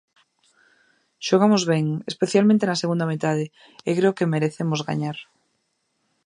Xogamos ben, especialmente na segunda metade, e creo que merecemos gañar.